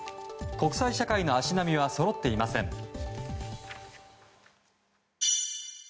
国際社会の足並みはそろっていません。